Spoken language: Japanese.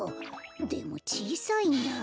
でもちいさいなあ。